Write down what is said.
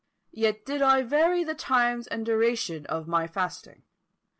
Yet did I vary the times and duration of my fasting.